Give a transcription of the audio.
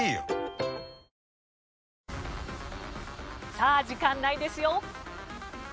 さあ時間ないですよ。